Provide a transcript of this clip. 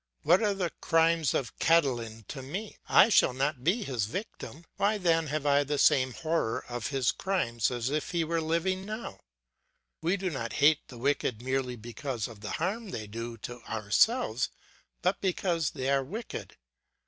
What are the crimes of Cataline to me? I shall not be his victim. Why then have I the same horror of his crimes as if he were living now? We do not hate the wicked merely because of the harm they do to ourselves, but because they are wicked.